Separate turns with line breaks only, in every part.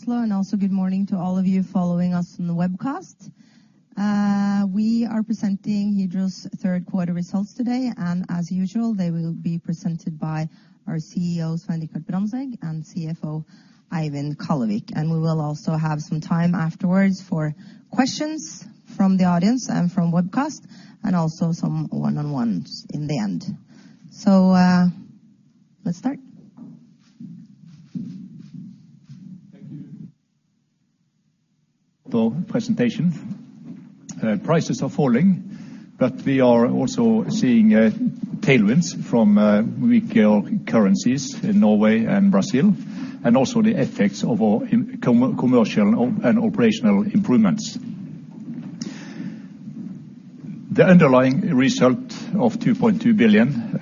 Everyone here in Oslo, and also good morning to all of you following us on the webcast. We are presenting Hydro's third quarter results today, and as usual, they will be presented by our CEO, Svein Richard Brandtzæg, and CFO Eivind Kallevik. We will also have some time afterwards for questions from the audience and from webcast, and also some one-on-ones in the end. Let's start.
Thank you. The presentation. Prices are falling, but we are also seeing tailwinds from weaker currencies in Norway and Brazil, and also the effects of our commercial and operational improvements. The underlying result of 2.2 billion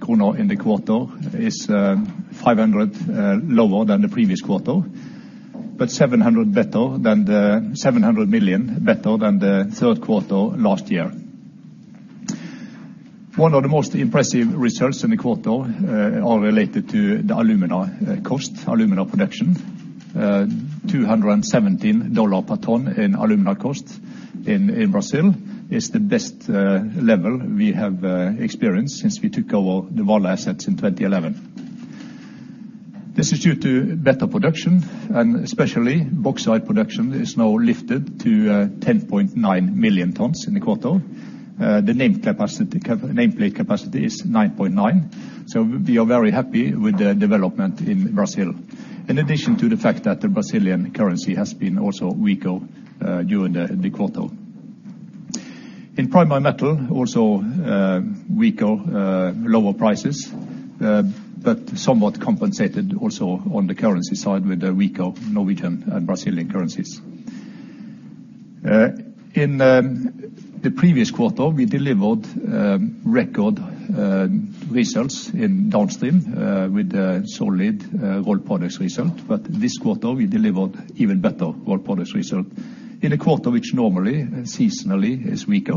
kroner in the quarter is 500 million lower than the previous quarter, but 700 million better than the third quarter last year. One of the most impressive results in the quarter are related to the alumina cost, alumina production. $217 per ton in alumina cost in Brazil is the best level we have experienced since we took over the Vale assets in 2011. This is due to better production, and especially bauxite production is now lifted to 10.9 million tons in the quarter. The nameplate capacity is 9.9 million tons, so we are very happy with the development in Brazil, in addition to the fact that the Brazilian currency has been also weaker during the quarter. In Primary Metal, also weaker lower prices, but somewhat compensated also on the currency side with the weaker Norwegian and Brazilian currencies. In the previous quarter, we delivered record results in downstream with a solid Rolled Products result. This quarter we delivered even better Rolled Products result in a quarter which normally, seasonally, is weaker,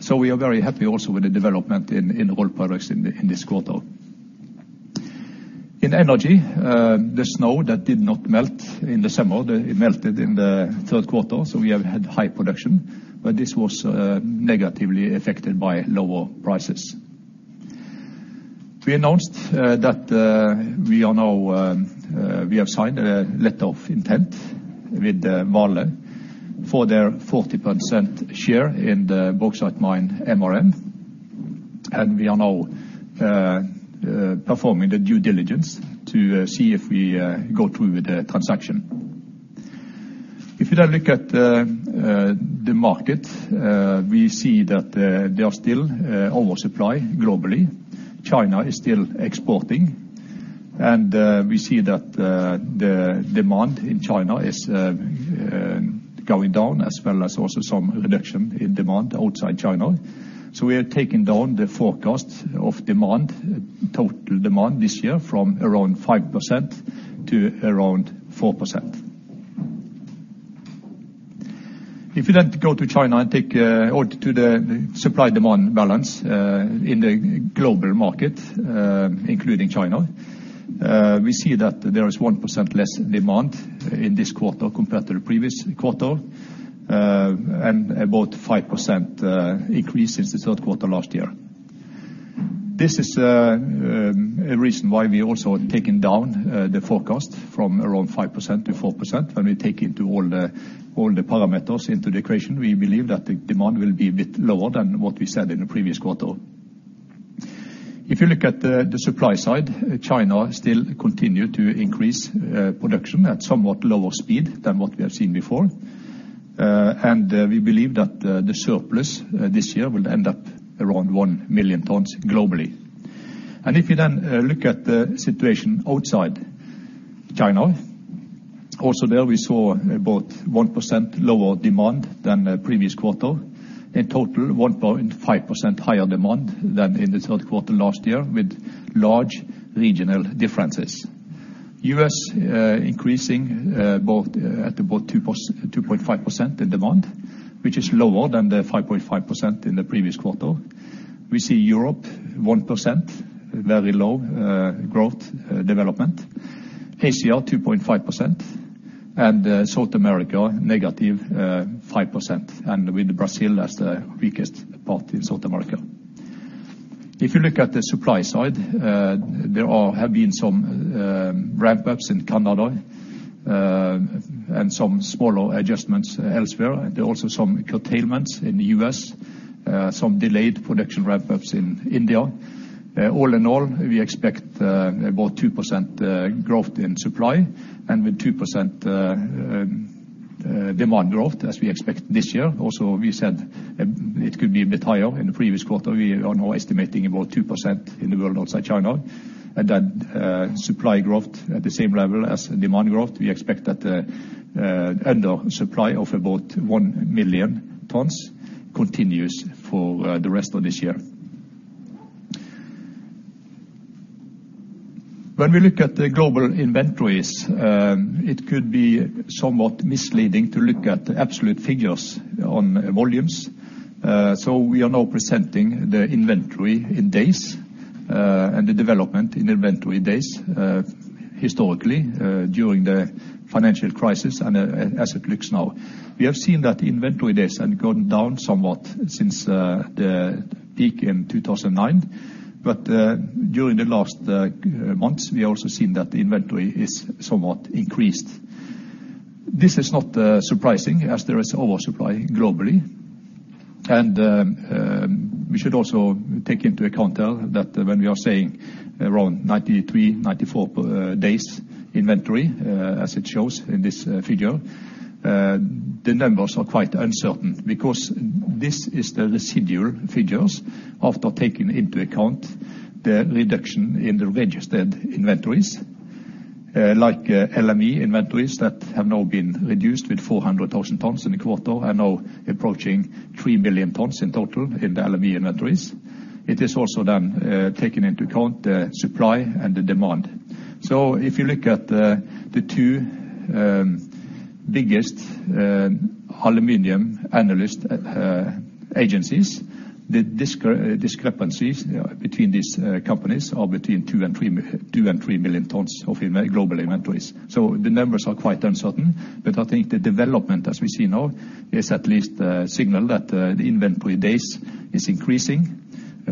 so we are very happy also with the development in Rolled Products in this quarter. In Energy, the snow that did not melt in the summer, it melted in the third quarter, so we have had high production. This was negatively affected by lower prices. We announced that we have signed a letter of intent with Vale for their 40% share in the bauxite mine MRN, and we are now performing the due diligence to see if we go through with the transaction. If you now look at the market, we see that there are still oversupply globally. China is still exporting. We see that the demand in China is going down, as well as also some reduction in demand outside China. We are taking down the forecast of demand, total demand this year, from around 5% to around 4%. If you then go to the supply-demand balance in the global market, including China, we see that there is 1% less demand in this quarter compared to the previous quarter, and about 5% increase since the third quarter last year. This is a reason why we also have taken down the forecast from around 5% to 4%. When we take all the parameters into the equation, we believe that the demand will be a bit lower than what we said in the previous quarter. If you look at the supply side, China still continue to increase production at somewhat lower speed than what we have seen before. We believe that the surplus this year will end up around 1 million tons globally. If you then look at the situation outside China, also there we saw about 1% lower demand than the previous quarter. In total, 1.5% higher demand than in the third quarter last year with large regional differences. U.S. increasing both at about 2.5% in demand, which is lower than the 5.5% in the previous quarter. We see Europe 1%, very low growth development. Asia 2.5%, and South America -5%, and with Brazil as the weakest part in South America. If you look at the supply side, there have been some ramp-ups in Canada and some smaller adjustments elsewhere. There are also some curtailments in the U.S., some delayed production ramp-ups in India. All in all, we expect about 2% growth in supply, and with 2% demand growth as we expect this year. Also, we said it could be a bit higher in the previous quarter. We are now estimating about 2% in the world outside China, and that supply growth at the same level as demand growth. We expect that under supply of about 1 million tons continues for the rest of this year. When we look at the global inventories, it could be somewhat misleading to look at absolute figures on volumes, so we are now presenting the inventory in days. The development in inventory days historically during the financial crisis and as it looks now. We have seen that inventory days have gone down somewhat since the peak in 2009. During the last months, we also seen that the inventory is somewhat increased. This is not surprising as there is oversupply globally. We should also take into account here that when we are saying around 93 days, 94 days inventory, as it shows in this figure, the numbers are quite uncertain because this is the residual figures after taking into account the reduction in the registered inventories, like LME inventories that have now been reduced with 0.4 million tons in the quarter and now approaching 3 million tons in total in the LME inventories. It is also taking into account the supply and the demand. If you look at the two biggest aluminum analyst agencies, the discrepancies between these companies are between 2 million tons-3 million tons of global inventories. The numbers are quite uncertain, but I think the development as we see now is at least a signal that the inventory days is increasing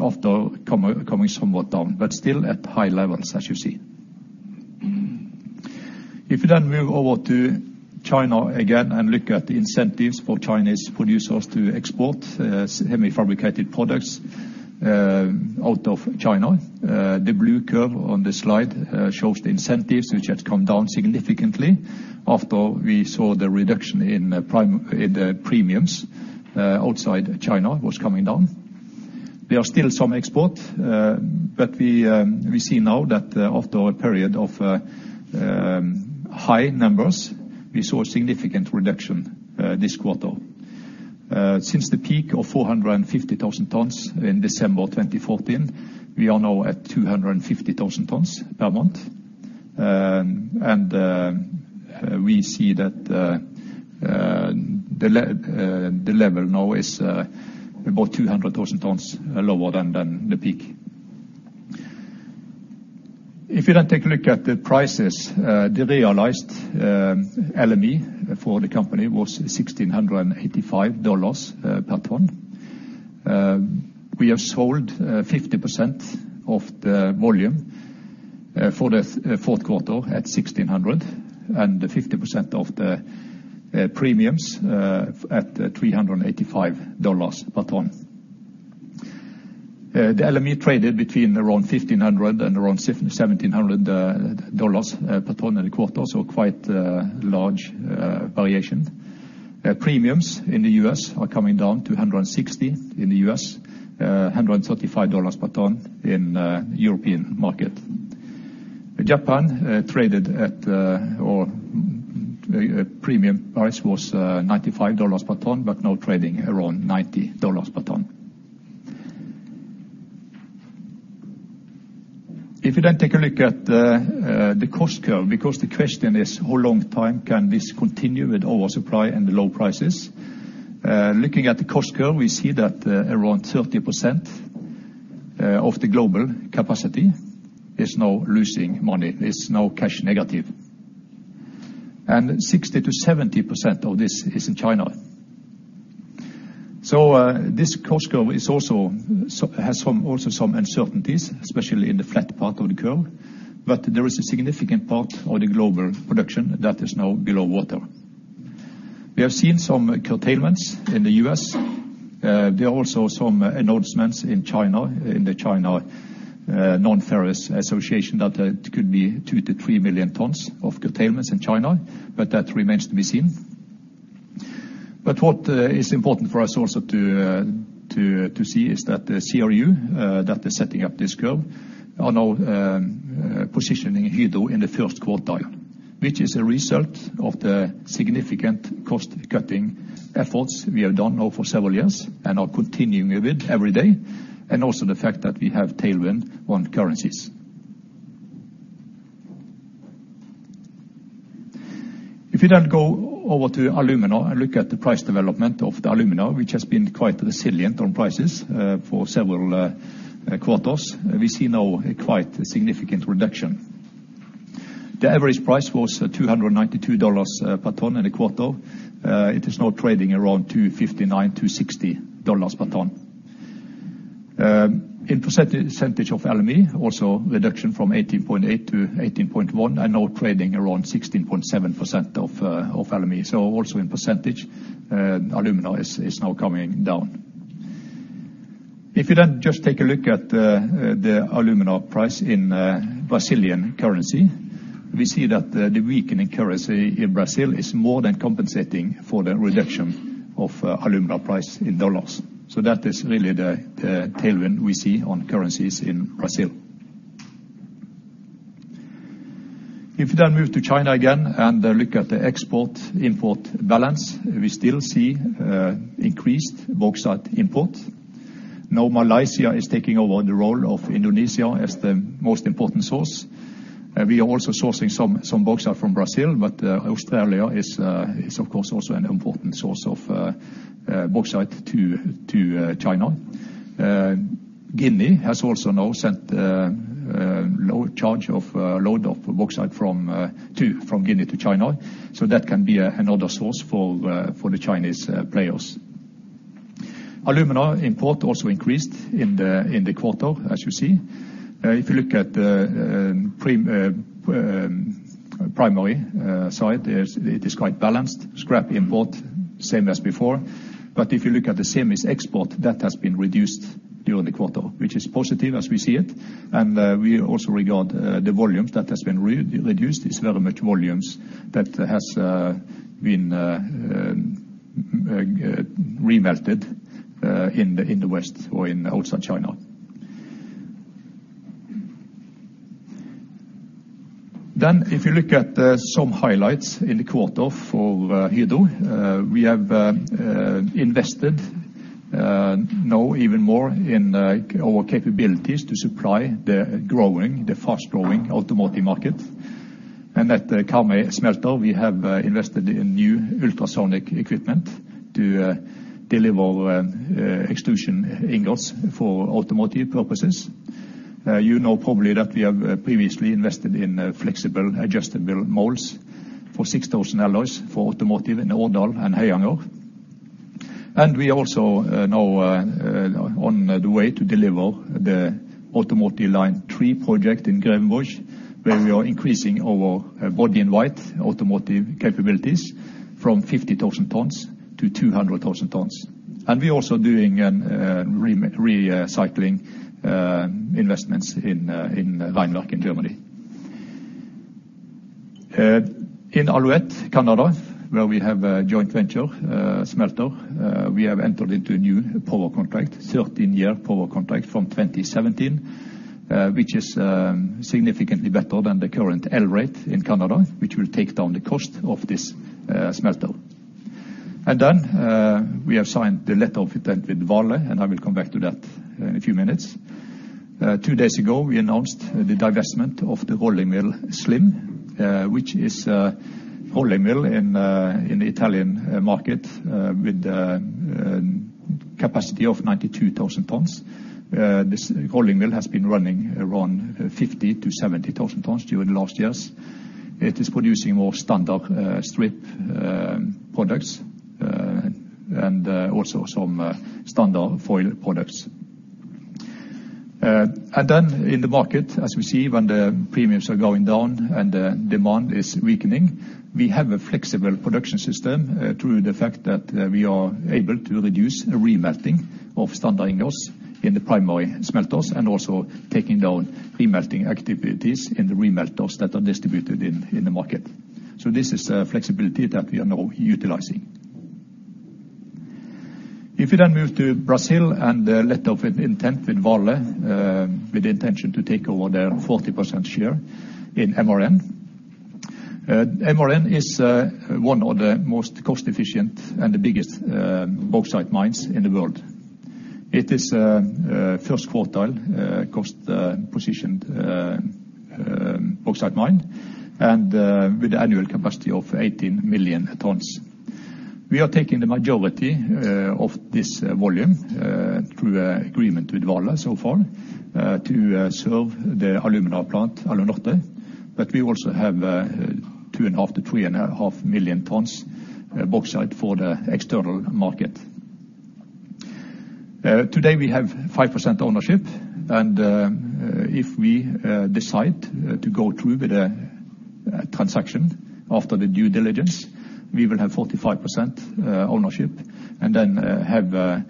after coming somewhat down, but still at high levels as you see. If you then move over to China again and look at the incentives for Chinese producers to export semi-fabricated products out of China, the blue curve on the slide shows the incentives which has come down significantly after we saw the reduction in the premiums outside China was coming down. There are still some export, but we see now that after a period of high numbers, we saw a significant reduction this quarter. Since the peak of 0.4 million tons in December 2014, we are now at 0.25 million tons per month. We see that the level now is about 0.2 million tons lower than the peak. If you then take a look at the prices, the realized LME for the company was $1,685 per ton. We have sold 50% of the volume for the fourth quarter at $1,600, and 50% of the premiums at $385 per ton. The LME traded between around $1,500 and around $1,700 per ton in the quarter, so quite large variation. Premiums in the U.S. are coming down to $160 in the U.S., $135 per ton in European market. Japan traded at or premium price was $95 per ton, but now trading around $90 per ton. If you then take a look at the cost curve, because the question is how long time can this continue with oversupply and the low prices. Looking at the cost curve, we see that around 30% of the global capacity is now losing money, is now cash negative. 60%-70% of this is in China. This cost curve also has some uncertainties, especially in the flat part of the curve, but there is a significant part of the global production that is now below water. We have seen some curtailments in the U.S. There are also some announcements in China, in the China Nonferrous Metals Industry Association, that there could be 2 million tons-3 million tons of curtailments in China, but that remains to be seen. What is important for us also to see is that the CRU that is setting up this curve are now positioning Hydro in the first quartile, which is a result of the significant cost-cutting efforts we have done now for several years and are continuing with every day, and also the fact that we have tailwind on currencies. If you then go over to alumina and look at the price development of the alumina, which has been quite resilient on prices, for several quarters, we see now a quite significant reduction. The average price was $292 per ton in the quarter. It is now trading around $259-$260 per ton. In percentage of LME, also reduction from 18.8% to 18.1%, and now trading around 16.7% of LME. Also in percentage, alumina is now coming down. If you then just take a look at the alumina price in Brazilian currency, we see that the weakening currency in Brazil is more than compensating for the reduction of alumina price in dollars. That is really the tailwind we see on currencies in Brazil. If you then move to China again and look at the export-import balance, we still see increased bauxite import. Now Malaysia is taking over the role of Indonesia as the most important source. We are also sourcing some bauxite from Brazil, but Australia is, of course, also an important source of bauxite to China. Guinea has also now sent a large load of bauxite from Guinea to China, so that can be another source for the Chinese players. Alumina import also increased in the quarter, as you see. If you look at the primary side, it is quite balanced. Scrap import, same as before. If you look at the same as exports, that has been reduced during the quarter, which is positive as we see it. We also regard the volumes that has been reduced, it's very much volumes that has been re-melted in the West or outside China. If you look at some highlights in the quarter for Hydro, we have invested now even more in our capabilities to supply the fast-growing automotive market. At the Karmøy smelter, we have invested in new ultrasonic equipment to deliver extrusion ingots for automotive purposes. You know probably that we have previously invested in flexible adjustable molds for 6000 alloys for automotive in Årdal and Husnes. We are on the way to deliver the Automotive Line 3 project in Grevenbroich, where we are increasing our body-in-white automotive capabilities from 50,000 tons to 200,000 tons. We are also doing recycling investments in Weinheim in Germany. In Alouette, Canada, where we have a joint venture smelter, we have entered into a new power contract, 13-year power contract from 2017, which is significantly better than the current LME rate in Canada, which will take down the cost of this smelter. We have signed the letter of intent with Vale, and I will come back to that in a few minutes. Two days ago, we announced the divestment of the rolling mill SLIM, which is in the Italian market, with capacity of 92,000 tons. This rolling mill has been running around 50,000 tons-70,000 tons during the last years. It is producing more standard strip products and also some standard foil products. In the market, as we see when the premiums are going down and the demand is weakening, we have a flexible production system through the fact that we are able to reduce re-melting of standard ingots in the primary smelters and also taking down re-melting activities in the re-melters that are distributed in the market. This is a flexibility that we are now utilizing. If you then move to Brazil and the letter of intent with Vale, with the intention to take over their 40% share in MRN. MRN is one of the most cost-efficient and the biggest bauxite mines in the world. It is a first-quartile cost-positioned bauxite mine, and with annual capacity of 18 million tons. We are taking the majority of this volume through an agreement with Vale so far to serve the alumina plant Alunorte, but we also have 2.5 million tons-3.5 million tons bauxite for the external market. Today, we have 5% ownership, and if we decide to go through with a transaction after the due diligence, we will have 45% ownership and then have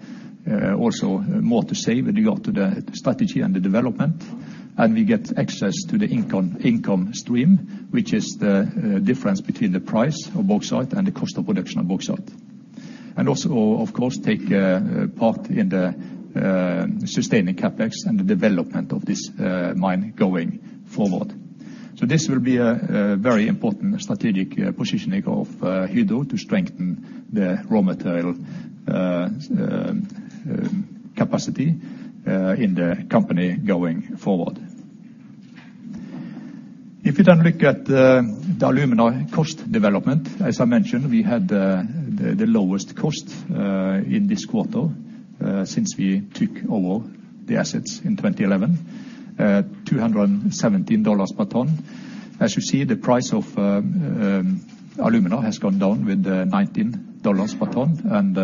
also more to say with regard to the strategy and the development. We get access to the income stream, which is the difference between the price of bauxite and the cost of production of bauxite. We also, of course, take part in the sustaining CapEx and the development of this mine going forward. This will be a very important strategic positioning of Hydro to strengthen the raw material capacity in the company going forward. If you then look at the alumina cost development, as I mentioned, we had the lowest cost in this quarter since we took over the assets in 2011, $217 per ton. As you see, the price of alumina has gone down with $19 per ton, and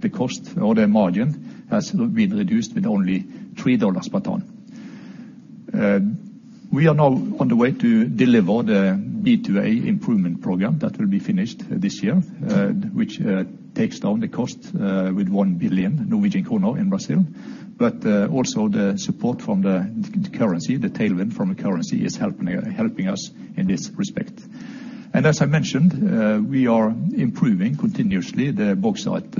the cost or the margin has been reduced with only $3 per ton. We are now on the way to deliver the B&A improvement program that will be finished this year, which takes down the cost with 1 billion Norwegian kroner in Brazil. Also the support from the currency, the tailwind from the currency is helping us in this respect. As I mentioned, we are improving continuously the bauxite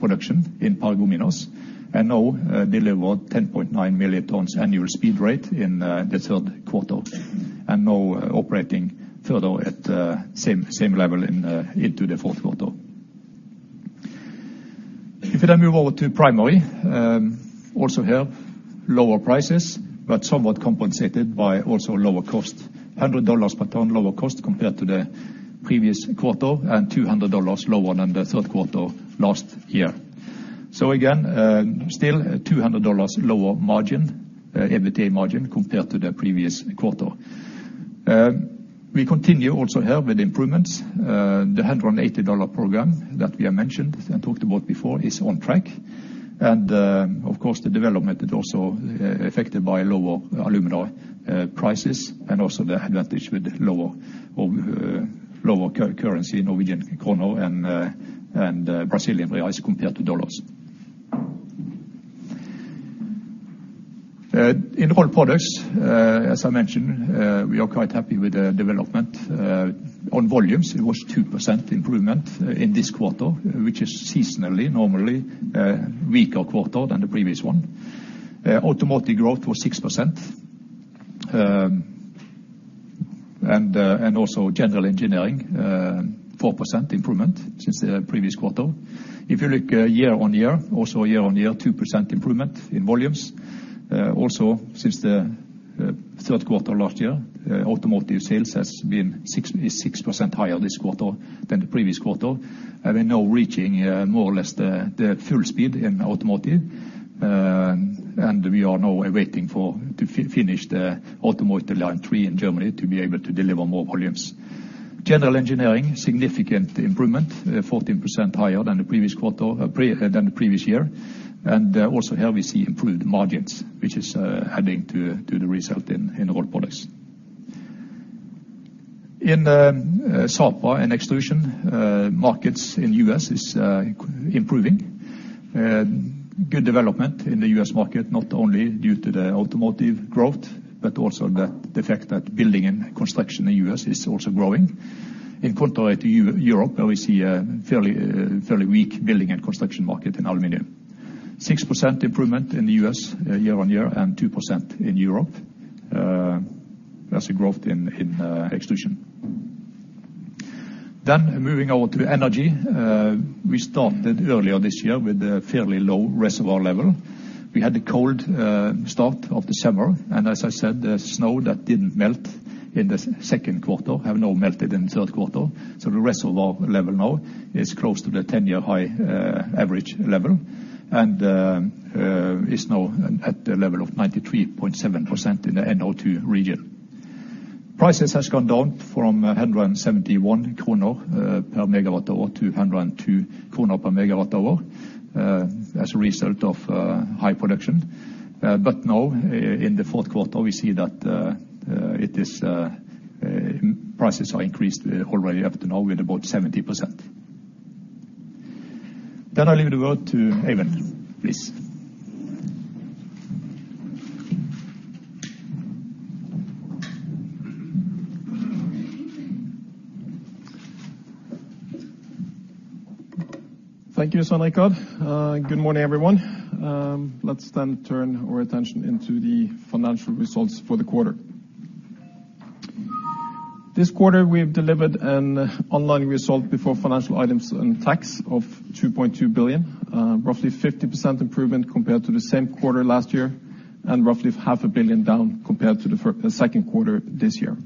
production in Paragominas and now delivered 10.9 million tons annualized rate in the third quarter, and now operating further at same level into the fourth quarter. If you then move over to primary, also here, lower prices, but somewhat compensated by also lower cost, $100 per ton lower cost compared to the previous quarter and $200 lower than the third quarter last year. Again, still $200 lower margin, EBITDA margin compared to the previous quarter. We continue also here with improvements, the $180 program that we have mentioned and talked about before is on track. Of course, the development is also affected by lower alumina prices and also the advantage with lower currency Norwegian kroner and Brazilian reais compared to dollars. In Rolled Products, as I mentioned, we are quite happy with the development. On volumes, it was 2% improvement in this quarter, which is seasonally normally a weaker quarter than the previous one. Automotive growth was 6% and also general engineering 4% improvement since the previous quarter. If you look year-on-year, 2% improvement in volumes. Also since the third quarter last year, automotive sales is 6% higher this quarter than the previous quarter. We're now reaching more or less the full speed in automotive. We are now waiting to finish the Automotive Line 3 in Germany to be able to deliver more volumes. General engineering, significant improvement, 14% higher than the previous year. Also here we see improved margins, which is adding to the result in Rolled Products. In Sapa and Extrusion, markets in U.S. is improving. Good development in the U.S. market, not only due to the automotive growth, but also the fact that building and construction in U.S. is also growing. In contrast to Europe, where we see a fairly weak building and construction market in aluminum. 6% improvement in the U.S. year-on-year, and 2% in Europe as a growth in extrusion. Moving over to energy, we started earlier this year with a fairly low reservoir level. We had a cold start of the summer, and as I said, the snow that didn't melt in the second quarter have now melted in the third quarter. The reservoir level now is close to the 10-year high average level and is now at a level of 93.7% in the NO2 region. Prices has gone down from 171 kroner per MWh to 102 kroner per MWh as a result of high production. But now in the fourth quarter, we see that it is prices are increased already up to now with about 70%. I'll leave the word to Eivind, please.
Thank you, Svein Richard. Good morning, everyone. Let's turn our attention to the financial results for the quarter. This quarter, we have delivered an underlying result before financial items and tax of 2.2 billion, roughly 50% improvement compared to the same quarter last year, and roughly 0.5 Billion down compared to the second quarter this year.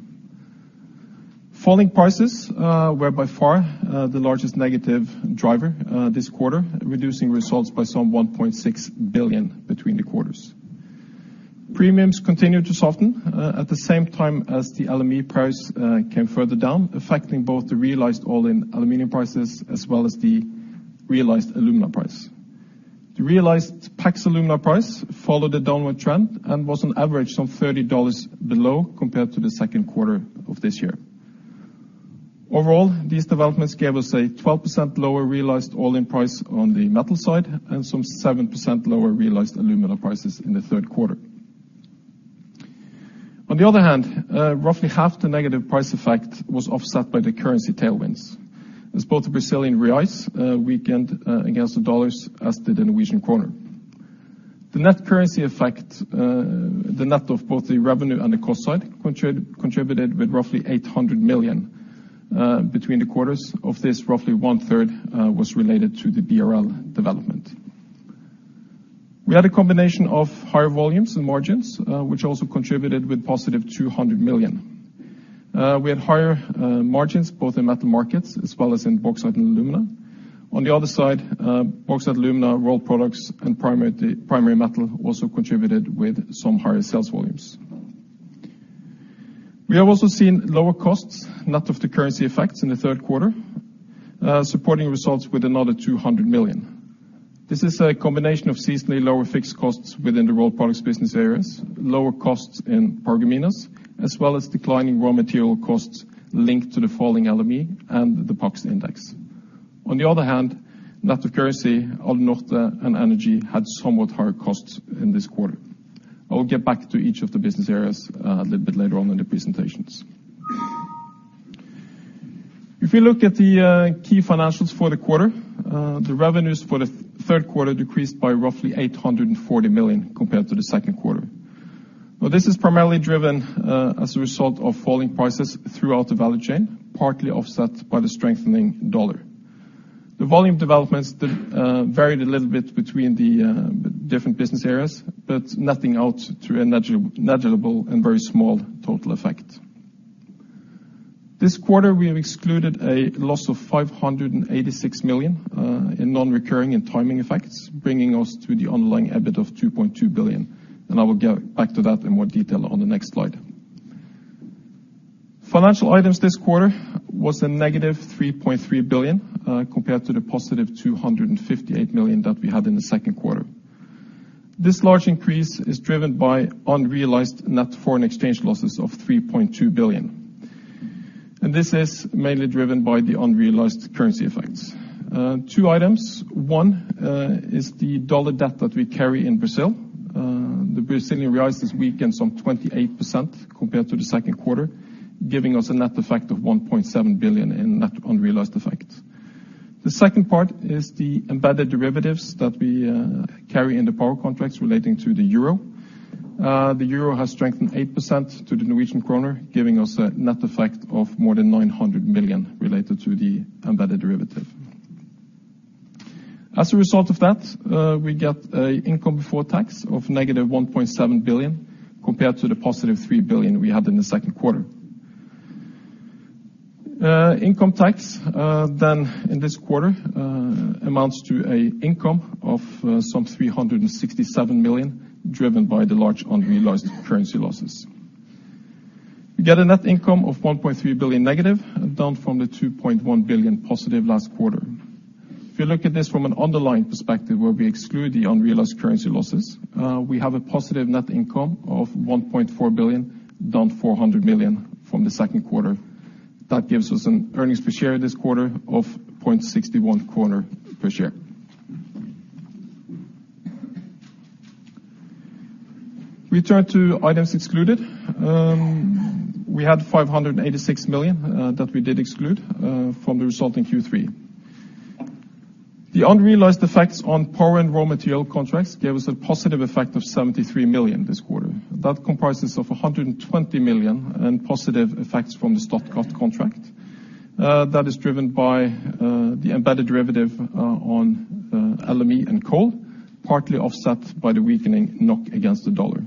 Falling prices were by far the largest negative driver this quarter, reducing results by some 1.6 billion between the quarters. Premiums continued to soften at the same time as the LME price came further down, affecting both the realized all-in aluminum prices as well as the realized alumina price. The realized PAX alumina price followed a downward trend and was on average some $30 below compared to the second quarter of this year. Overall, these developments gave us a 12% lower realized all-in price on the metal side and some 7% lower realized alumina prices in the third quarter. On the other hand, roughly half the negative price effect was offset by the currency tailwinds, as both the Brazilian reais weakened against the dollars, as did the Norwegian kroner. The net currency effect, the net of both the revenue and the cost side contributed with roughly 800 million between the quarters. Of this, roughly 1/3 was related to the BRL development. We had a combination of higher volumes and margins, which also contributed with positive 200 million. We had higher margins both in metal markets as well as in bauxite and alumina. On the other side, bauxite, alumina, Rolled Products and Primary Metal also contributed with some higher sales volumes. We have also seen lower costs, net of the currency effects in the third quarter, supporting results with another 200 million. This is a combination of seasonally lower fixed costs within the Rolled Products business areas, lower costs in Paragominas, as well as declining raw material costs linked to the falling LME and the PAX index. On the other hand, net of currency, Alunorte and Energy had somewhat higher costs in this quarter. I'll get back to each of the business areas a little bit later on in the presentations. If you look at the key financials for the quarter, the revenues for the third quarter decreased by roughly 840 million compared to the second quarter. Well, this is primarily driven as a result of falling prices throughout the value chain, partly offset by the strengthening dollar. The volume developments varied a little bit between the different business areas, but nothing amounting to a negligible and very small total effect. This quarter, we have excluded a loss of 586 million in non-recurring and timing effects, bringing us to the underlying EBIT of 2.2 billion. I will get back to that in more detail on the next slide. Financial items this quarter was a -3.3 billion compared to the positive 258 million that we had in the second quarter. This large increase is driven by unrealized net foreign exchange losses of 3.2 billion. This is mainly driven by the unrealized currency effects. Two items: one, is the dollar debt that we carry in Brazil. The Brazilian reais has weakened some 28% compared to the second quarter, giving us a net effect of 1.7 billion in net unrealized effects. The second part is the embedded derivatives that we carry in the power contracts relating to the euro. The euro has strengthened 8% to the Norwegian kroner, giving us a net effect of more than 900 million related to the embedded derivative. As a result of that, we get an income before tax of negative 1.7 billion compared to the positive 3 billion we had in the second quarter. Income tax in this quarter amounts to an income of some 367 million, driven by the large unrealized currency losses. We get a net income of negative 1.3 billion, down from positive 2.1 billion last quarter. If you look at this from an underlying perspective where we exclude the unrealized currency losses, we have a positive net income of 1.4 billion, down 400 million from the second quarter. That gives us an earnings per share this quarter of 0.61 NOK per share. We turn to items excluded. We had 586 million that we did exclude from the result in Q3. The unrealized effects on power and raw material contracts gave us a positive effect of 73 million this quarter. That comprises of 120 million in positive effects from the feedstock cost contract. That is driven by the embedded derivative on LME and coal, partly offset by the weakening NOK against the dollar.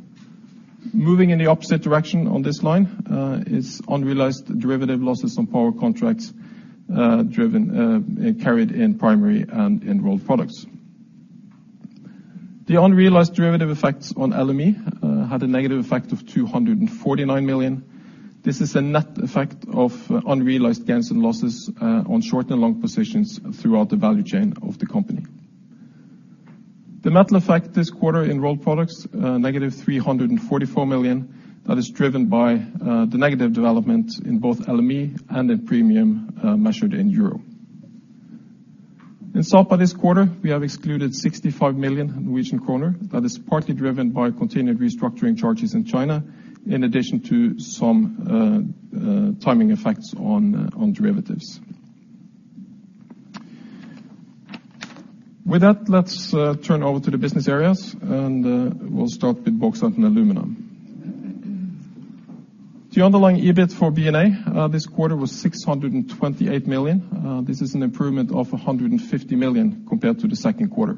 Moving in the opposite direction on this line is unrealized derivative losses on power contracts, driven, carried in Primary and in Rolled Products. The unrealized derivative effects on LME had a negative effect of 249 million. This is a net effect of unrealized gains and losses on short and long positions throughout the value chain of the company. The metal effect this quarter in Rolled Products, -344 million, that is driven by the negative development in both LME and in premium, measured in euro. In Sapa this quarter, we have excluded 65 million Norwegian kroner that is partly driven by continued restructuring charges in China, in addition to some timing effects on derivatives. With that, let's turn over to the business areas, and we'll start with Bauxite & Alumina. The underlying EBIT for B&A this quarter was 628 million. This is an improvement of 150 million compared to the second quarter.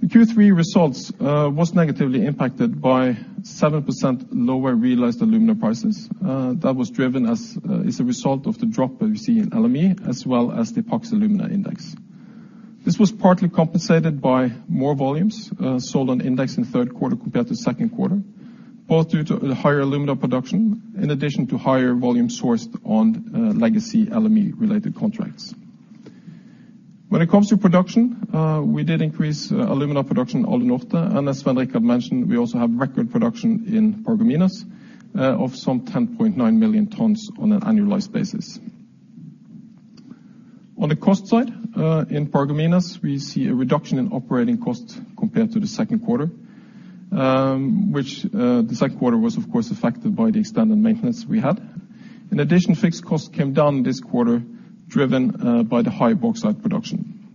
The Q3 results was negatively impacted by 7% lower realized aluminum prices. That is a result of the drop that we see in LME, as well as the PAX alumina index. This was partly compensated by more volumes sold on index in the third quarter compared to second quarter, both due to the higher aluminum production, in addition to higher volume sourced on legacy LME-related contracts. When it comes to production, we did increase aluminum production Alunorte. As Svein Richard Brandtzæg mentioned, we also have record production in Paragominas of some 10.9 million tons on an annualized basis. On the cost side, in Paragominas, we see a reduction in operating costs compared to the second quarter, which the second quarter was of course affected by the extended maintenance we had. In addition, fixed costs came down this quarter, driven by the high bauxite production.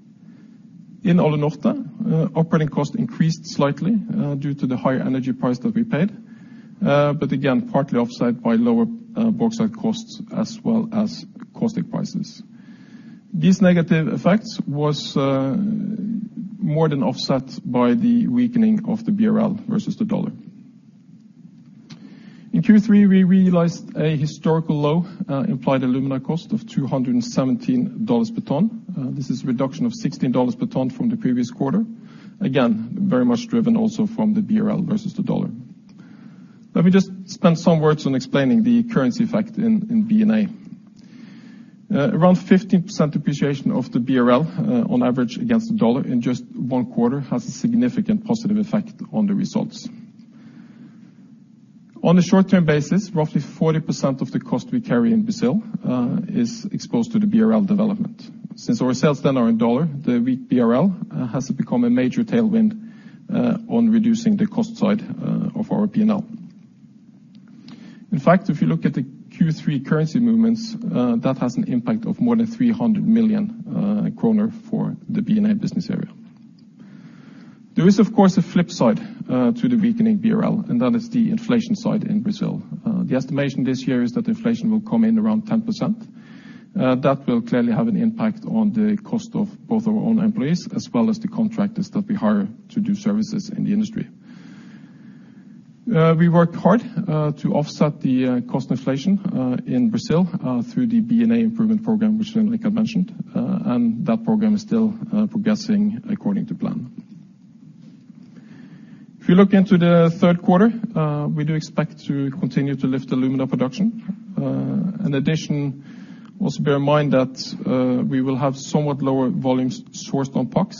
In Alunorte, operating costs increased slightly, due to the higher energy price that we paid, but again, partly offset by lower bauxite costs as well as caustic prices. These negative effects was more than offset by the weakening of the BRL versus the dollar. In Q3, we realized a historical low implied alumina cost of $217 per ton. This is a reduction of $16 per ton from the previous quarter. Again, very much driven also from the BRL versus the dollar. Let me just spend some words on explaining the currency effect in B&A. Around 15% depreciation of the BRL on average against the dollar in just one quarter has a significant positive effect on the results. On a short-term basis, roughly 40% of the cost we carry in Brazil is exposed to the BRL development. Since our sales then are in dollar, the weak BRL has become a major tailwind on reducing the cost side of our P&L. In fact, if you look at the Q3 currency movements, that has an impact of more than 300 million kroner for the B&A business area. There is, of course, a flip side to the weakening BRL, and that is the inflation side in Brazil. The estimation this year is that inflation will come in around 10%. That will clearly have an impact on the cost of both our own employees as well as the contractors that we hire to do services in the industry. We worked hard to offset the cost inflation in Brazil through the B&A improvement program, which, like I mentioned, and that program is still progressing according to plan. If you look into the third quarter, we do expect to continue to lift aluminum production. In addition, also bear in mind that we will have somewhat lower volumes sourced on PAX.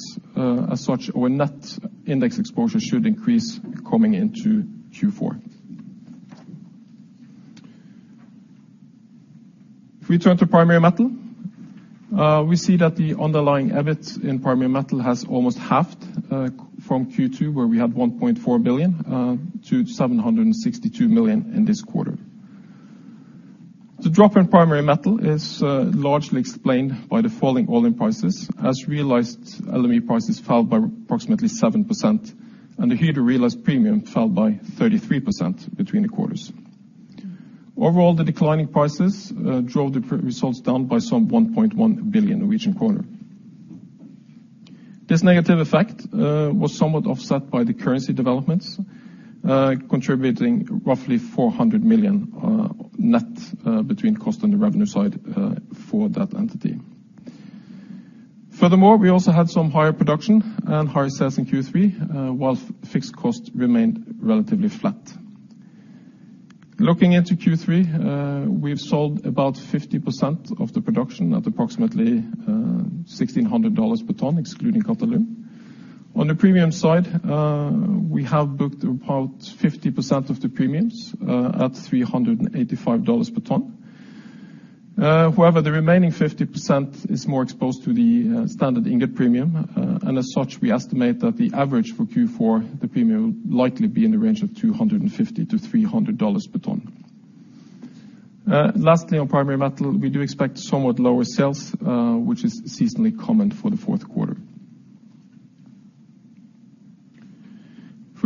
As such, our net index exposure should increase coming into Q4. If we turn to Primary Metal, we see that the underlying EBIT in Primary Metal has almost halved from Q2, where we had 1.4 billion to 762 million in this quarter. The drop in Primary Metal is largely explained by the falling all-in prices, as realized LME prices fell by approximately 7%, and the Hydro realized premium fell by 33% between the quarters. Overall, the declining prices drove the results down by some 1.1 billion Norwegian kroner. This negative effect was somewhat offset by the currency developments, contributing roughly 400 million net between cost and the revenue side for that entity. Furthermore, we also had some higher production and higher sales in Q3 while fixed costs remained relatively flat. Looking into Q3, we've sold about 50% of the production at approximately $1,600 per ton, excluding Qatalum. On the premium side, we have booked about 50% of the premiums at $385 per ton. However, the remaining 50 percent is more exposed to the standard ingot premium, and as such, we estimate that the average for Q4, the premium will likely be in the range of $250-$300 per ton. Lastly, on Primary Metal, we do expect somewhat lower sales, which is seasonally common for the fourth quarter.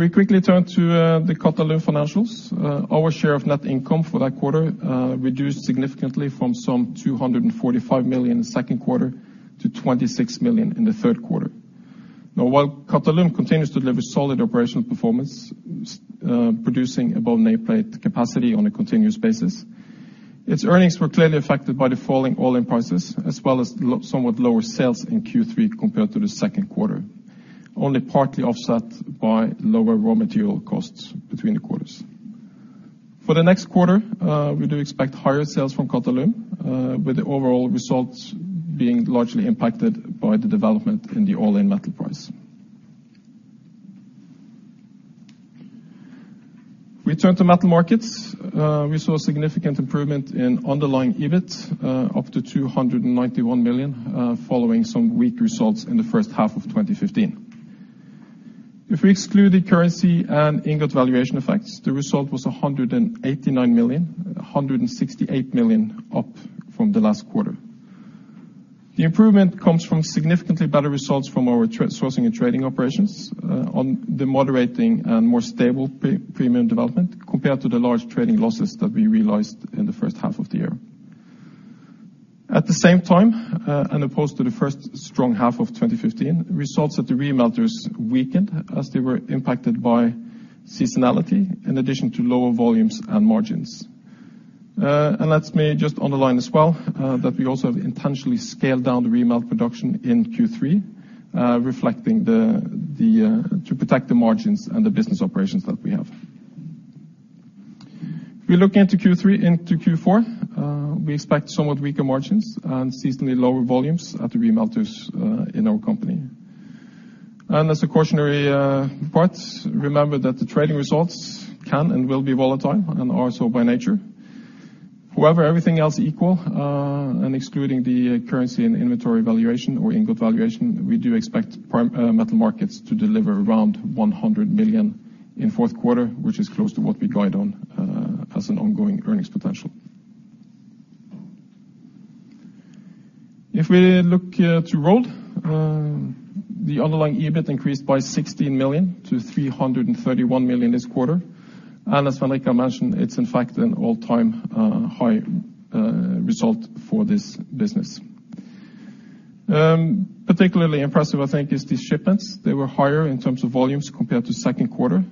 If we quickly turn to the Qatalum financials, our share of net income for that quarter reduced significantly from some 245 million in the second quarter to 26 million in the third quarter. Now, while Qatalum continues to deliver solid operational performance, producing above nameplate capacity on a continuous basis, its earnings were clearly affected by the falling all-in prices, as well as somewhat lower sales in Q3 compared to the second quarter, only partly offset by lower raw material costs between the quarters. For the next quarter, we do expect higher sales from Qatalum, with the overall results being largely impacted by the development in the all-in metal price. We turn to Metal Markets. We saw significant improvement in underlying EBIT, up to 291 million, following some weak results in the first half of 2015. If we exclude the currency and ingot valuation effects, the result was 189 million, 168 million up from the last quarter. The improvement comes from significantly better results from our sourcing and trading operations on the moderating and more stable premium development compared to the large trading losses that we realized in the first half of the year. At the same time, as opposed to the first strong half of 2015, results at the remelters weakened as they were impacted by seasonality in addition to lower volumes and margins. Let me just underline as well that we also have intentionally scaled down the remelt production in Q3 reflecting to protect the margins and the business operations that we have. If we look into Q3 into Q4, we expect somewhat weaker margins and seasonally lower volumes at the remelters in our company. As a cautionary part, remember that the trading results can and will be volatile and are so by nature. However, everything else equal, and excluding the currency and inventory valuation or ingot valuation, we do expect Metal Markets to deliver around 100 million in fourth quarter, which is close to what we guided on, as an ongoing earnings potential. If we look to Rolled, the underlying EBIT increased by 16 million to 331 million this quarter. As Svein Richard Brandtzæg mentioned, it's in fact an all-time high result for this business. Particularly impressive, I think, is the shipments. They were higher in terms of volumes compared to second quarter.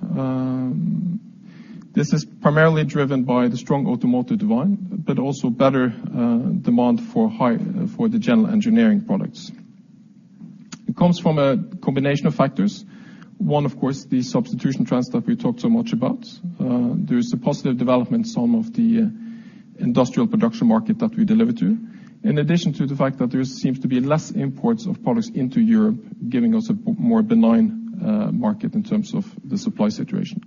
This is primarily driven by the strong automotive demand, but also better demand for high for the general engineering products. It comes from a combination of factors. One, of course, the substitution trends that we talked so much about. There is a positive development, some of the industrial production market that we deliver to, in addition to the fact that there seems to be less imports of products into Europe, giving us a more benign market in terms of the supply situation.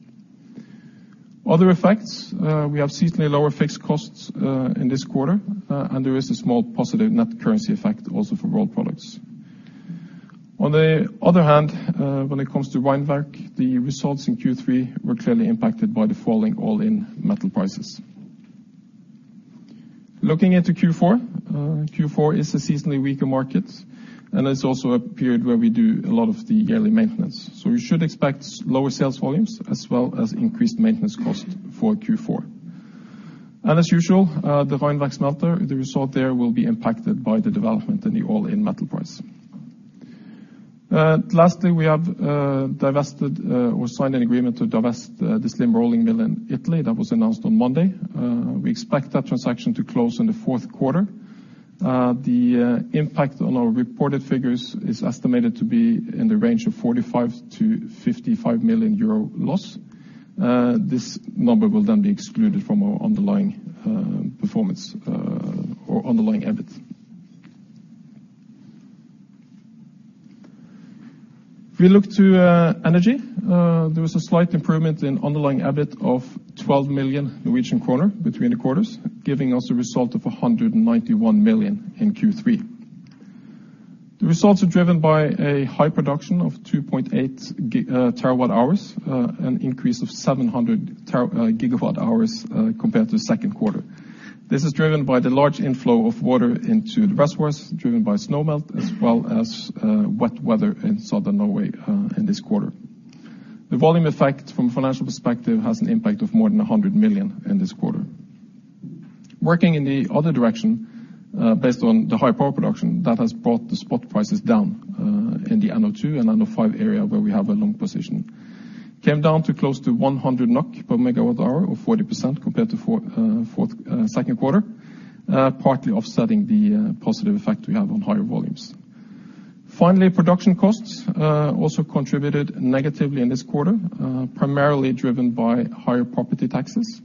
Other effects, we have seasonally lower fixed costs in this quarter, and there is a small positive net currency effect also for Rolled Products. On the other hand, when it comes to Rheinwerk, the results in Q3 were clearly impacted by the falling all-in metal prices. Looking into Q4 is a seasonally weaker market, and it's also a period where we do a lot of the yearly maintenance. We should expect lower sales volumes as well as increased maintenance cost for Q4. As usual, the Rheinwerk smelter, the result there will be impacted by the development in the all-in metal price. Lastly, we have divested or signed an agreement to divest the SLIM Rolling Mill in Italy that was announced on Monday. We expect that transaction to close in the fourth quarter. The impact on our reported figures is estimated to be in the range of 45 million-55 million euro loss. This number will then be excluded from our underlying performance or underlying EBIT. If we look to energy, there was a slight improvement in underlying EBIT of 12 million Norwegian kroner between the quarters, giving us a result of 191 million in Q3. The results are driven by a high production of 2.8 TWh, an increase of 700 GWh, compared to the second quarter. This is driven by the large inflow of water into the reservoirs, driven by snow melt as well as wet weather in Southern Norway in this quarter. The volume effect from a financial perspective has an impact of more than 100 million in this quarter. Working in the other direction, based on the high power production, that has brought the spot prices down in the NO2 and NO5 area where we have a long position. Came down to close to 100 NOK per MWh or 40% compared to second quarter, partly offsetting the positive effect we have on higher volumes. Finally, production costs also contributed negatively in this quarter, primarily driven by higher property taxes.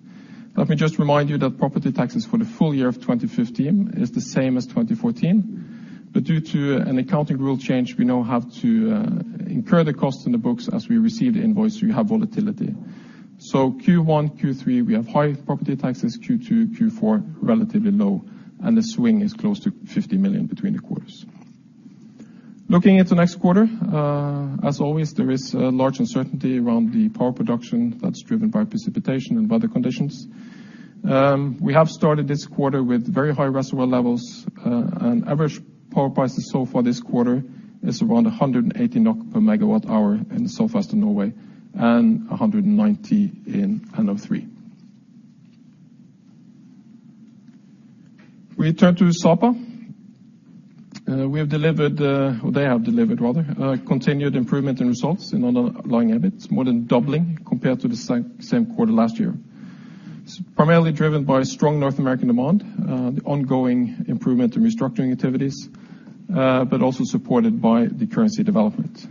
Let me just remind you that property taxes for the full year of 2015 is the same as 2014. Due to an accounting rule change, we now have to incur the cost in the books as we receive the invoice, so you have volatility. Q1, Q3, we have high property taxes, Q2, Q4, relatively low, and the swing is close to 50 million between the quarters. Looking at the next quarter, as always, there is a large uncertainty around the power production that's driven by precipitation and weather conditions. We have started this quarter with very high reservoir levels, and average power prices so far this quarter is around 180 NOK per megawatt hour in Southwest Norway and 190 per megawatt hour in NO3. We turn to Sapa. We have delivered, or they have delivered rather, continued improvement in results in underlying EBIT, more than doubling compared to the same quarter last year. It's primarily driven by strong North American demand, the ongoing improvement in restructuring activities, but also supported by the currency development.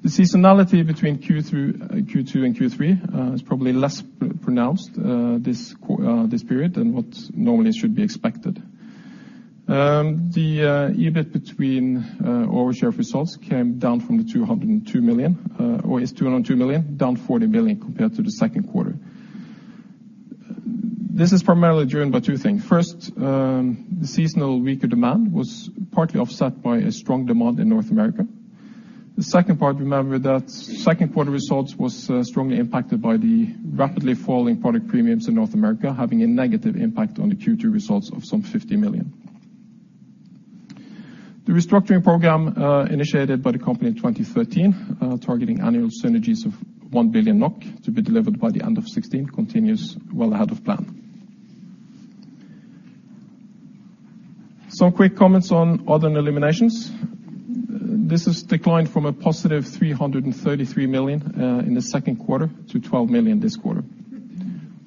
The seasonality between Q2 and Q3 is probably less pronounced this period than what normally should be expected. The EBIT between our share of results came down from the 202 million, or is 202 million, down 40 million compared to the second quarter. This is primarily driven by two things. First, the seasonal weaker demand was partly offset by a strong demand in North America. The second part, remember that second quarter results was strongly impacted by the rapidly falling product premiums in North America, having a negative impact on the Q2 results of some 50 million. The restructuring program initiated by the company in 2013 targeting annual synergies of 1 billion NOK to be delivered by the end of 2016 continues well ahead of plan. Some quick comments on other eliminations. This has declined from a positive 333 million in the second quarter to 12 million this quarter.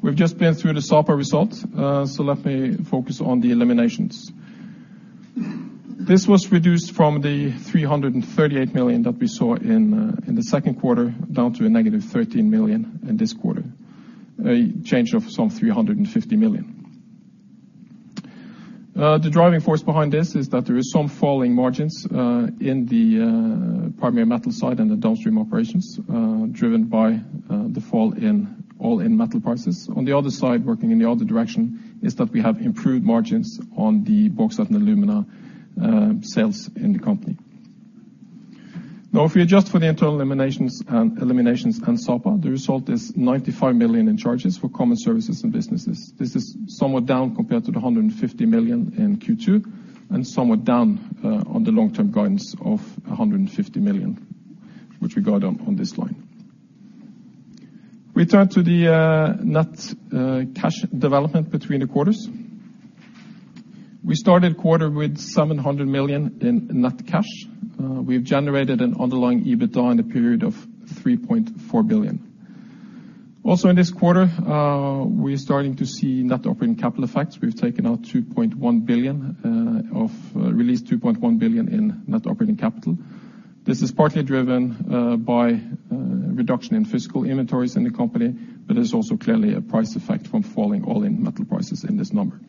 We've just been through the Sapa results, so let me focus on the eliminations. This was reduced from the 338 million that we saw in the second quarter down to a -13 million in this quarter, a change of some 350 million. The driving force behind this is that there is some falling margins in the Primary Metal side and the downstream operations, driven by the fall in all-in metal prices. On the other side, working in the other direction, is that we have improved margins on the bauxite and alumina sales in the company. Now, if we adjust for the internal eliminations and Sapa, the result is 95 million in charges for common services and businesses. This is somewhat down compared to the 150 million in Q2 and somewhat down on the long-term guidance of 150 million, which we got on this line. We turn to the net cash development between the quarters. We started quarter with 700 million in net cash. We've generated an underlying EBITDA in the period of 3.4 billion. Also in this quarter, we're starting to see net operating capital effects. We've taken out 2.1 billion in net operating capital. This is partly driven by reduction in finished inventories in the company, but there's also clearly a price effect from falling all-in metal prices in this number.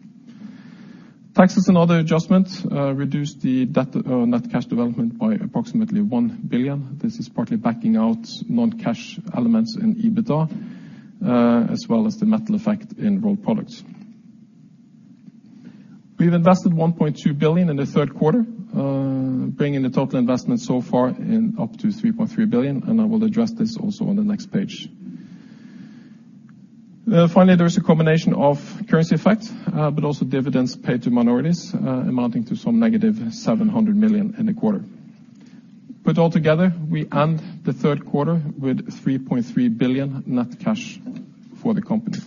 Taxes and other adjustments reduced the net cash development by approximately 1 billion. This is partly backing out non-cash elements in EBITDA, as well as the metal effect in Rolled Products. We've invested 1.2 billion in the third quarter, bringing the total investment so far in up to 3.3 billion, and I will address this also on the next page. Finally, there is a combination of currency effects, but also dividends paid to minorities, amounting to some -700 million in the quarter. Put all together, we end the third quarter with 3.3 billion net cash for the company.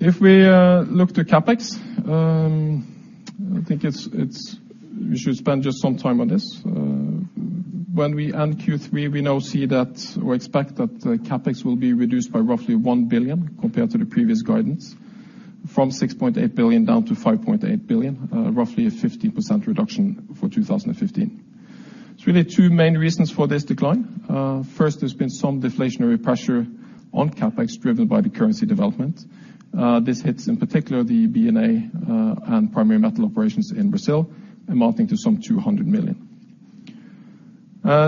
If we look to CapEx, I think we should spend just some time on this. When we end Q3, we now see that or expect that the CapEx will be reduced by roughly 1 billion compared to the previous guidance, from 6.8 billion down to 5.8 billion, roughly a 50% reduction for 2015. There's really two main reasons for this decline. First, there's been some deflationary pressure on CapEx driven by the currency development. This hits in particular the B&A and Primary Metal operations in Brazil amounting to some 200 million.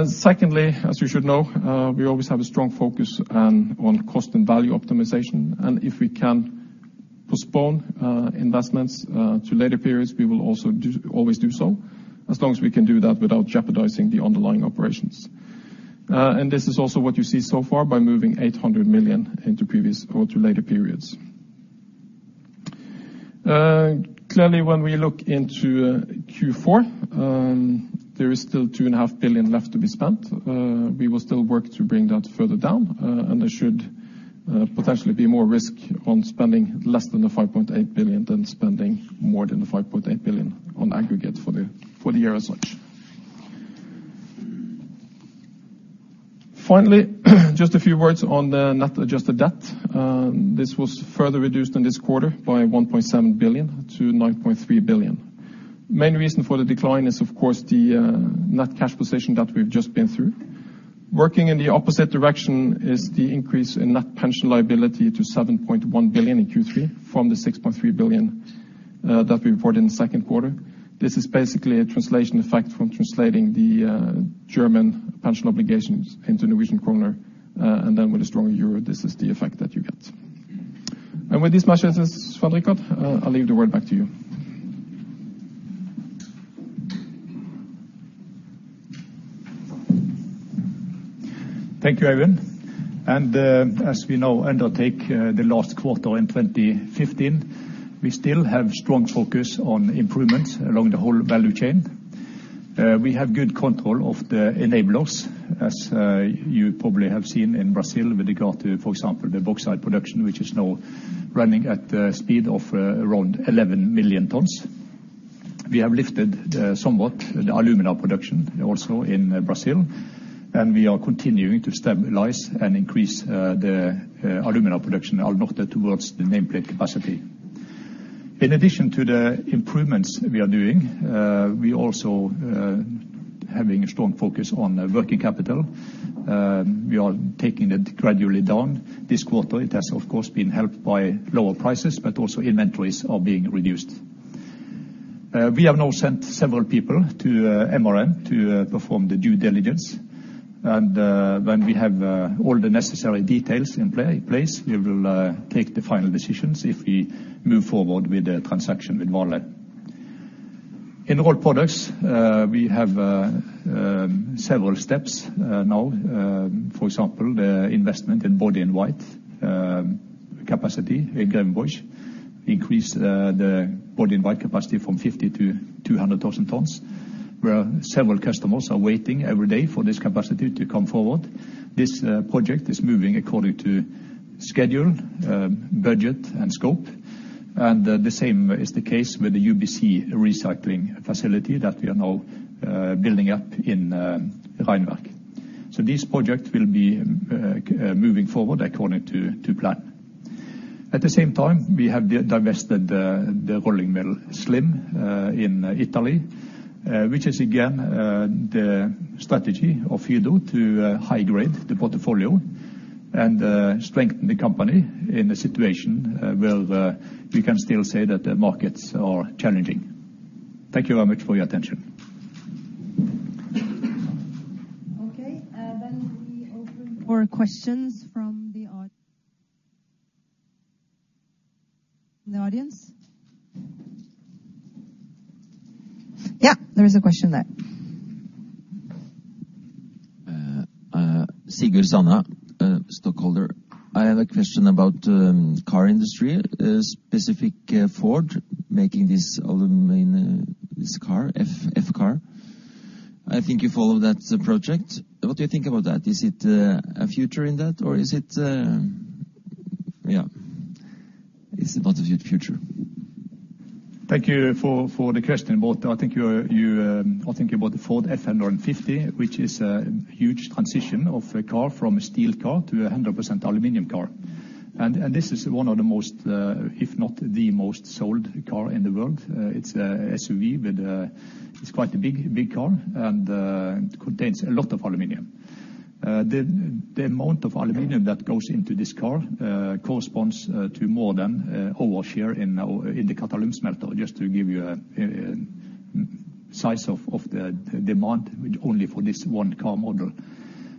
Secondly, as you should know, we always have a strong focus on cost and value optimization. If we can postpone investments to later periods, we will always do so, as long as we can do that without jeopardizing the underlying operations. This is also what you see so far by moving 800 million into previous or to later periods. Clearly, when we look into Q4, there is still 2.5 billion left to be spent. We will still work to bring that further down, and there should potentially be more risk on spending less than the 5.8 billion than spending more than the 5.8 billion on aggregate for the year as such. Finally, just a few words on the net adjusted debt. This was further reduced in this quarter by 1.7 billion to 9.3 billion. Main reason for the decline is of course the net cash position that we've just been through. Working in the opposite direction is the increase in net pension liability to 7.1 billion in Q3 from the 6.3 billion that we reported in the second quarter. This is basically a translation effect from translating the German pension obligations into Norwegian kroner, and then with a stronger euro, this is the effect that you get. With this much, this is Svein Richard Brandtzæg. I'll leave the word back to you.
Thank you, Eivind. As we now undertake the last quarter in 2015, we still have strong focus on improvements along the whole value chain. We have good control of the enablers, as you probably have seen in Brazil with regard to, for example, the bauxite production, which is now running at the speed of around 11 million tons. We have lifted somewhat the alumina production also in Brazil, and we are continuing to stabilize and increase the alumina production at Alunorte towards the nameplate capacity. In addition to the improvements we are doing, we also having a strong focus on working capital. We are taking it gradually down this quarter. It has, of course, been helped by lower prices, but also inventories are being reduced. We have now sent several people to MRN to perform the due diligence, and when we have all the necessary details in place, we will take the final decisions if we move forward with the transaction with Vale. In all products, we have several steps now, for example, the investment in body-in-white capacity at Grevenbroich increase the body-in-white capacity from 50,000 tons to 200,000 tons, where several customers are waiting every day for this capacity to come forward. This project is moving according to schedule, budget and scope, and the same is the case with the UBC recycling facility that we are now building up in Rheinwerk. These projects will be moving forward according to plan. At the same time, we have divested the rolling mill SLIM in Italy, which is again the strategy of Hydro to high-grade the portfolio and strengthen the company in a situation where we can still say that the markets are challenging. Thank you very much for your attention.
Okay. We open for questions from the audience. Yeah, there is a question there.
Sigurd Sanna, stockholder. I have a question about car industry specific Ford making this aluminum car F-150. I think you follow that project. What do you think about that? Is it a future in that or is it Yeah. Is it about the future?
Thank you for the question. Well, I think you are thinking about the Ford F-150, which is a huge transition of a car from a steel car to a 100% aluminum car. This is one of the most, if not the most sold car in the world. It's a SUV, but it's quite a big car and contains a lot of aluminum. The amount of aluminum that goes into this car corresponds to more than our share in our Qatalum's metal, just to give you a size of the demand from only this one car model.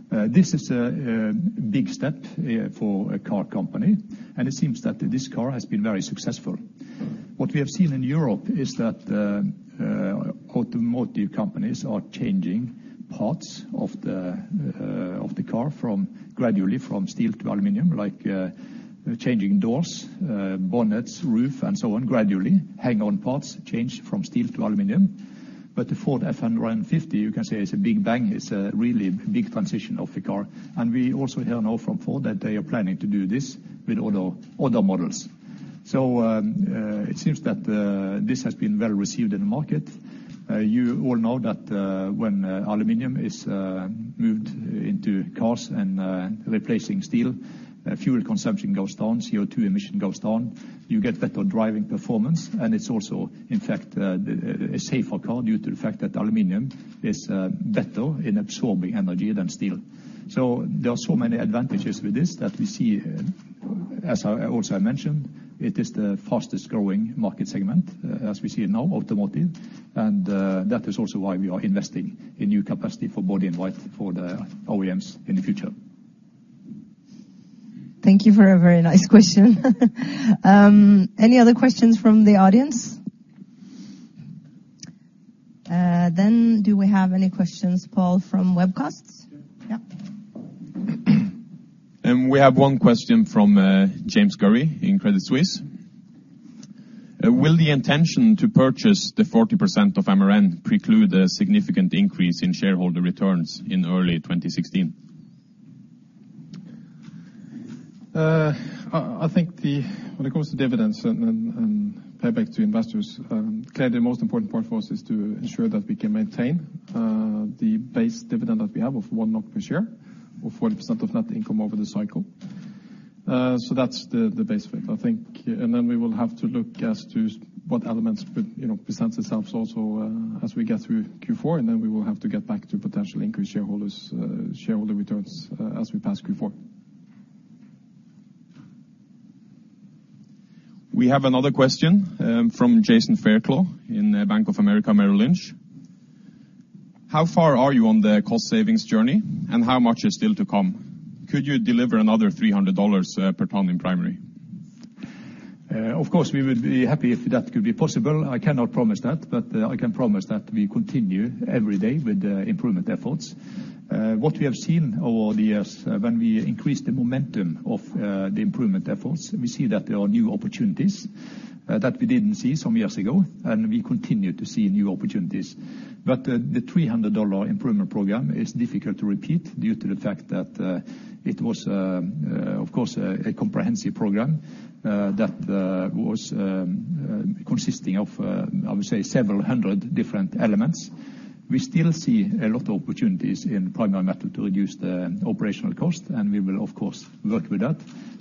This is a big step for a car company, and it seems that this car has been very successful. What we have seen in Europe is that automotive companies are changing parts of the car gradually from steel to aluminum, like changing doors, bonnets, roof, and so on gradually. The Ford F-150 you can say is a big bang. It's a really big transition of the car. We also hear now from Ford that they are planning to do this with other models. It seems that this has been well received in the market. You all know that when aluminum is moved into cars and replacing steel, fuel consumption goes down, CO2 emission goes down. You get better driving performance, and it's also in fact a safer car due to the fact that aluminum is better in absorbing energy than steel. There are so many advantages with this that we see, as I also mentioned, it is the fastest growing market segment as we see it now, automotive, and that is also why we are investing in new capacity for body-in-white for the OEMs in the future.
Thank you for a very nice question. Any other questions from the audience? Do we have any questions, Pål, from webcasts? Yeah.
We have one question from James Gurry in Credit Suisse. Will the intention to purchase the 40% of Alumar preclude a significant increase in shareholder returns in early 2016?
I think when it comes to dividends and payback to investors, clearly the most important part for us is to ensure that we can maintain the base dividend that we have of 1 NOK per share, or 40% of net income over the cycle. That's the base fit, I think. We will have to look as to what elements would, you know, present itself also as we get through Q4, and then we will have to get back to potential increased shareholder returns as we pass Q4.
We have another question from Jason Fairclough in Bank of America, Merrill Lynch. How far are you on the cost savings journey, and how much is still to come? Could you deliver another $300 per ton in primary?
Of course, we would be happy if that could be possible. I cannot promise that, but I can promise that we continue every day with the improvement efforts. What we have seen over the years when we increase the momentum of the improvement efforts, we see that there are new opportunities that we didn't see some years ago, and we continue to see new opportunities. The $300 improvement program is difficult to repeat due to the fact that it was, of course, a comprehensive program that was consisting of I would say several hundred different elements. We still see a lot of opportunities in Primary Metal to reduce the operational cost, and we will of course work with that.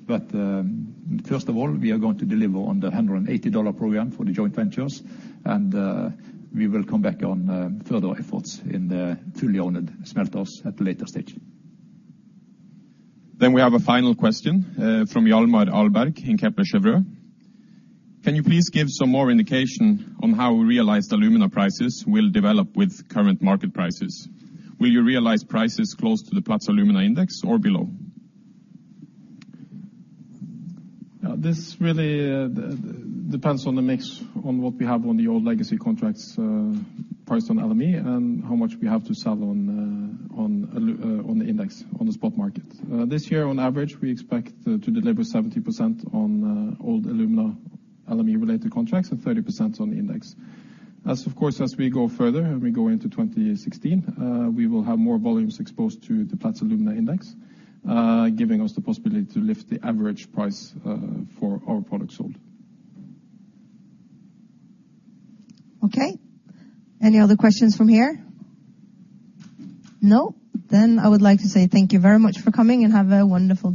First of all, we are going to deliver on the $180 program for the joint ventures, and we will come back on further efforts in the fully owned smelters at a later stage.
We have a final question fromHjalmar Ahlberg in Kepler Cheuvreux. Can you please give some more indication on how realized alumina prices will develop with current market prices? Will you realize prices close to the Platts Alumina Index or below?
Yeah, this really depends on the mix, on what we have on the old legacy contracts, priced on LME and how much we have to sell on the index, on the spot market. This year on average, we expect to deliver 70% on old alumina LME-related contracts and 30% on the index. Of course, as we go further and we go into 2016, we will have more volumes exposed to the Platts Alumina Index, giving us the possibility to lift the average price for our products sold.
Okay. Any other questions from here? No? Then I would like to say thank you very much for coming and have a wonderful day.